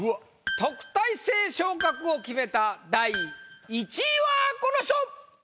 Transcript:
特待生昇格を決めた第１位はこの人！